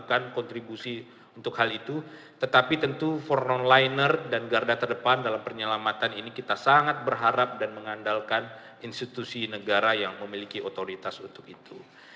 kita akan kontribusi untuk hal itu tetapi tentu for non liner dan garda terdepan dalam penyelamatan ini kita sangat berharap dan mengandalkan institusi negara yang memiliki otoritas untuk itu